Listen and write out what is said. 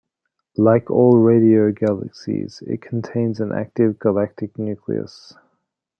Like all radio galaxies, it contains an active galactic nucleus.